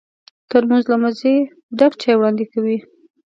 ترموز له مزې ډک چای وړاندې کوي.